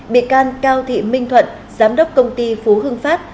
bị can cao thị minh thuận giám đốc công ty phú hưng phát